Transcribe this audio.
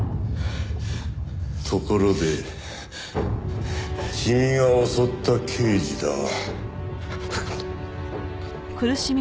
ところで君が襲った刑事だが。